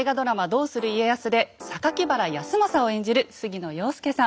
「どうする家康」で原康政を演じる杉野遥亮さん。